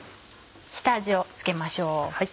下味を付けましょう。